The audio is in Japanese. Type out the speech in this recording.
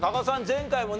前回もね